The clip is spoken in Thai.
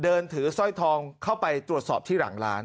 เดินถือสร้อยทองเข้าไปตรวจสอบที่หลังร้าน